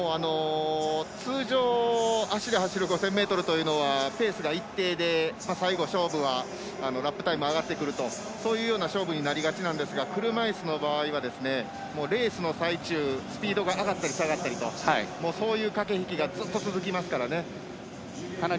通常足で走る５０００ｍというのはペースが一定で、最後勝負はラップタイム上がってくるとそういうような勝負になりがちなんですが車いすの場合はレースの最中、スピードが上がったり下がったりとそういう駆け引きがずっと続きますから。